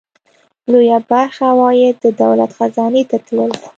لویه برخه عواید د دولت خزانې ته تلل.